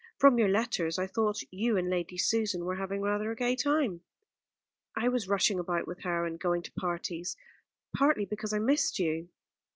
From your letters I thought you and Lady Susan were having rather a gay time." "I was rushing about with her and going to parties, partly because I missed you."